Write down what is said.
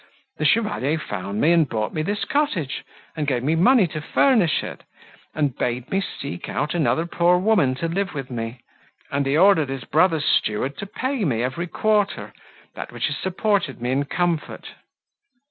—The Chevalier found me, and bought me this cottage, and gave me money to furnish it, and bade me seek out another poor woman to live with me; and he ordered his brother's steward to pay me, every quarter, that which has supported me in comfort.